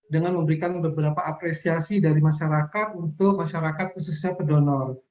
dengan memberikan beberapa apresiasi dari masyarakat untuk masyarakat khususnya pedonor